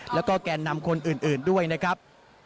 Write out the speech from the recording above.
แล้วก็แกนนำคนอื่นด้วยนะครับ